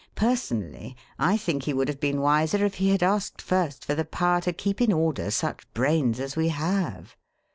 Personally, I think he would have been wiser if he had asked first for the power to keep in order such brains as we have.